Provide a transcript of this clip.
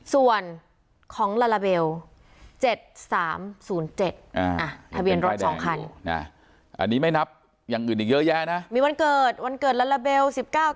ส่วนของลาลาเบล๗๓๐๗ทะเบียนรถสองคันอันนี้ไม่นับอย่างอื่นอีกเยอะแยะนะมีวันเกิดวันเกิดลาลาเบล